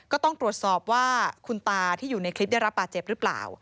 ก็ต้องตรวจสอบว่าคุณตาที่อยู่ในคลิปได้รับบาดเจ็บหรือเปล่า